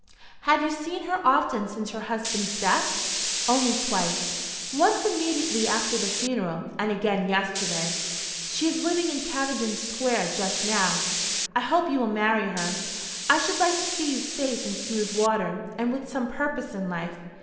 "Have you seen her often since her husband's death?" "Only twice; once immediately after the funeral, and again yesterday. She is living in Cavendish Square just now." "I hope you will marry her. I should like to see you safe in smooth water, and with some purpose in life.